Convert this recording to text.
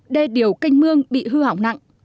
đê điều canh mương bị hư hỏng nặng